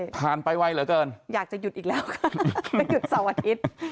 ผ่านไปไวเหลือเกินอยากจะหยุดอีกแล้วค่ะจะหยุดเสาร์อาทิตย์